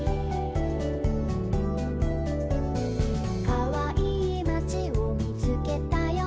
「かわいいまちをみつけたよ」